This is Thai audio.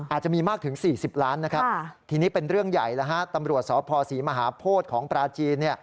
อาจจะมีมากถึง๔๐ล้านทีนี้เป็นเรื่องใหญ่ตำรวจสภศรีมหาโพธิ์ของปราจีน